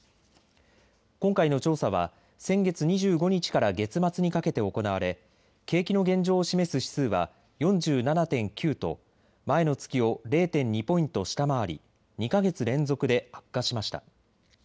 今回の調査は先月２５日から月末にかけて行われ景気の現状を示す指数は４７．９と前の月を０．２ポイント下回り２か月連続で悪化しました。